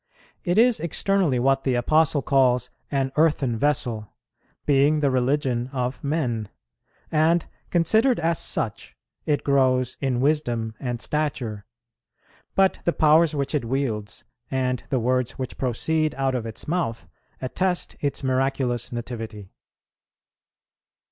It is externally what the Apostle calls an "earthen vessel," being the religion of men. And, considered as such, it grows "in wisdom and stature;" but the powers which it wields, and the words which proceed out of its mouth, attest its miraculous nativity.